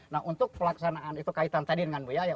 nah untuk pelaksanaan itu kaitan tadi dengan bu yaya